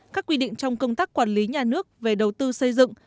các quy định trong công tác quản lý nhà nước về đầu tư xây dựng